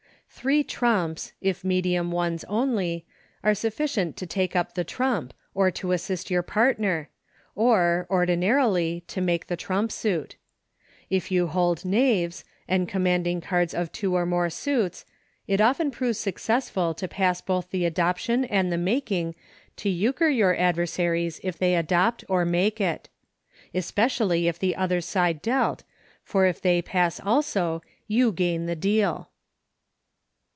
Three trumps, if medium ones only, are sufficient to take up the trump, or to assist your partner, or, ordinarily, to make the trump suit. If you hold Knaves, and com manding cards of two or more suits, it often proves successful to pass both the adoption HINTS TO TYKOS. 129 and the making, to Euchre your adversaries if they adopt or make it. Especially if the other side dealt, for if they pass also you gain the deal.